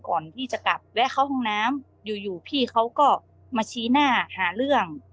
ก่อนที่จะกลับแวะเข้าห้องน้ำอยู่อยู่พี่เขาก็มาชี้หน้าหาเรื่อง